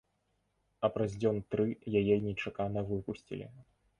А праз дзён тры яе нечакана выпусцілі.